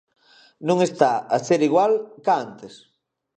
Non está a ser igual ca antes.